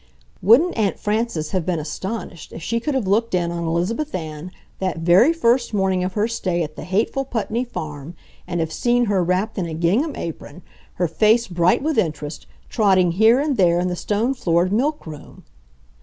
Wouldn't Aunt Frances have been astonished if she could have looked in on Elizabeth Ann that very first morning of her stay at the hateful Putney Farm and have seen her wrapped in a gingham apron, her face bright with interest, trotting here and there in the stone floored milk room!